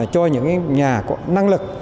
cho những nhà có năng lực